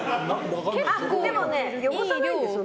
でもね、汚さないですよ